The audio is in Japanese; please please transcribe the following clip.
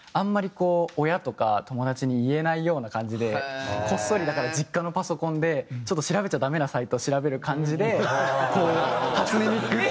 こう親とか友達に言えないような感じでこっそりだから実家のパソコンで調べちゃダメなサイトを調べる感じでこう「初音ミク」って。